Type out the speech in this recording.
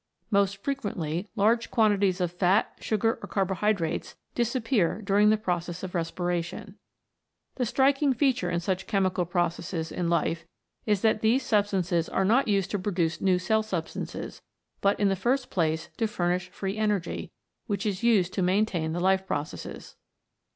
Most frequently large quantities of fat, sugar, or carbohydrates disappear during the process of respiration. The striking feature in such chemical processes in life is that these substances are not used to produce new cell substances, but in the first place to furnish free energy, which is used to maintain the life processes.